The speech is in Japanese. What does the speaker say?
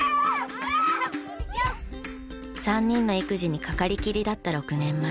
３人の育児にかかりきりだった６年前。